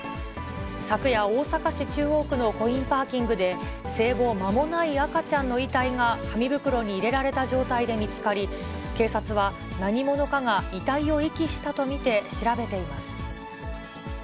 昨夜、大阪市中央区のコインパーキングで、生後間もない赤ちゃんの遺体が、紙袋に入れられた状態で見つかり、警察は何者かが遺体を遺棄したと見て調べています。